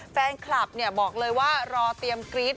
แฟนคลับบอกเลยว่ารอเตรียมกรี๊ด